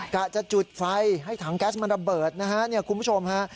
กะจะจุดไฟให้ถังแก๊สมันระเบิดนะฮะเนี่ยคุณผู้ชมฮะ